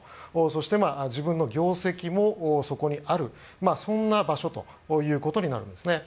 そして自分の業績もそこにあるそんな場所ということになるんですね。